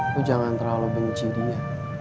lu jangan terlalu benci dia